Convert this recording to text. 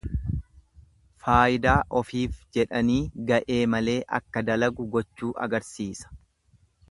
Faayidaa ofiif jedhanii ga'ee malee akka dalagu gochuu agarsiisa.